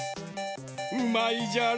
うまいじゃろ？